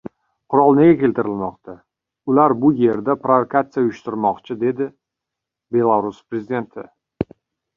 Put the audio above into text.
“Qurol nega keltirilmoqda? Ular bu yerda provokatsiya uyushtirmoqchi” — dedi Belarus prezidenti